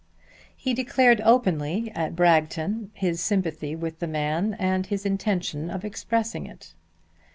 He declared openly at Bragton his sympathy with the man and his intention of expressing it.